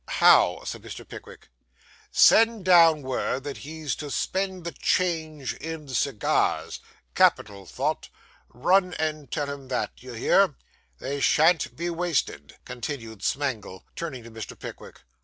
'How?' said Mr. Pickwick. 'Send down word that he's to spend the change in cigars. Capital thought. Run and tell him that; d'ye hear? They shan't be wasted,' continued Smangle, turning to Mr. Pickwick.